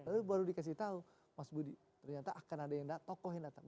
lalu baru dikasih tahu mas budi ternyata akan ada tokoh yang datang